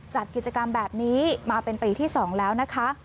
จัดกิจกรรมแบบนี้มาเป็นปีที่๒แล้วนะคะ